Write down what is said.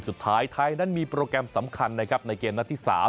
สุดท้ายและมีโปรแกรมสำคัญในเกมนัดที่๓